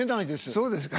そうですか？